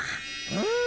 うん！